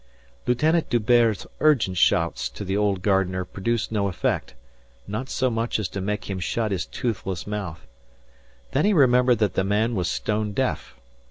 Lieutenant D'Hubert's urgent shouts to the old gardener produced no effect not so much as to make him shut his toothless mouth. Then he remembered that the man was stone deaf.